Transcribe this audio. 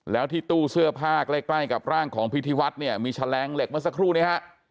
แล้วที่ตู้เสื้อผ้าใกล้ใกล้กับร่างของพิธีวัฒน์เนี่ยมีแฉลงเหล็กเมื่อสักครู่นี้ฮะ